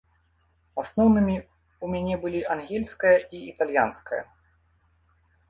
Асноўнымі ў мяне былі ангельская і італьянская.